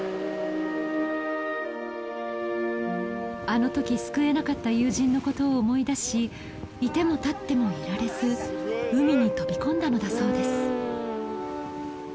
あの時救えなかった友人のことを思い出し居ても立ってもいられず海に飛び込んだのだそうです